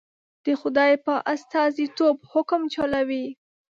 د خدای په استازیتوب حکم چلوي.